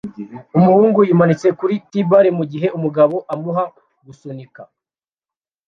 Umuhungu yimanitse kuri t-bar mugihe umugabo amuha gusunika